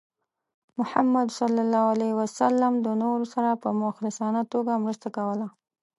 محمد صلى الله عليه وسلم د نورو سره په مخلصانه توګه مرسته کوله.